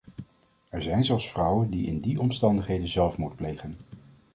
Er zijn zelfs vrouwen die in die omstandigheden zelfmoord plegen.